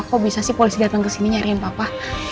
kok bisa sih polis dateng kesini nyariin papa